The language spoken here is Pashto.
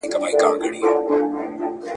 ورته پېښه ناروغي سوله د سترګو ..